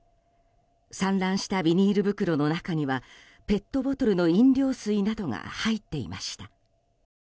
散乱したビニール袋の中にはペットボトルの飲料水などが入っていました。